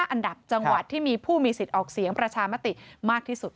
อันดับจังหวัดที่มีผู้มีสิทธิ์ออกเสียงประชามติมากที่สุด